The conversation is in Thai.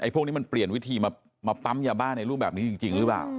พวกนี้มันเปลี่ยนวิธีมาปั๊มยาบ้าในรูปแบบนี้จริงหรือเปล่า